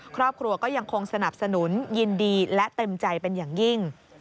ครอบครัวก็ยังคงสนับสนุนยินดีและเต็มใจเป็นอย่างยิ่ง